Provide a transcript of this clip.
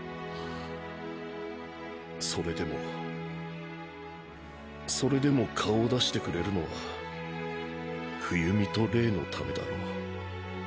それでもそれでも顔を出してくれるのは冬美と冷のためだろう？